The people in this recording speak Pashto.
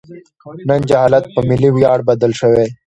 نن جهالت په ملي ویاړ بدل شوی.